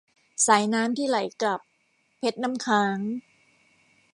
สายน้ำที่ไหลกลับ - เพชรน้ำค้าง